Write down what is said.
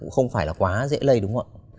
không phải là quá dễ lây đúng không ạ